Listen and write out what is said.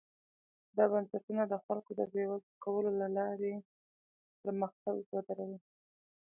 دا بنسټونه د خلکو بېوزله کولو له لارې پرمختګ ودروي.